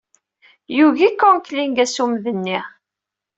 Yugi Conkling assummed-nni.